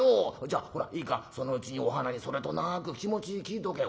じゃあほらいいかそのうちにお花にそれとなく気持ち聞いとけ。